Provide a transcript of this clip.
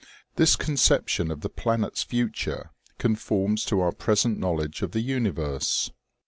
This conception of the planet's future conforms to our present knowledge of the universe.